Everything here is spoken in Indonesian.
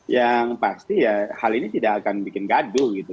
yang pasti ya hal ini tidak akan bikin gaduh gitu